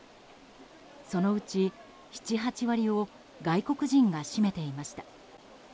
そのうち７８割を外国人が占めていました。